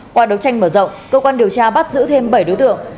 qua đấu tranh mở rộng cơ quan điều tra bắt giữ thêm bảy đối tượng